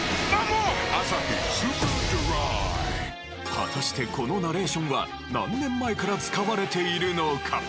果たしてこのナレーションは何年前から使われているのか？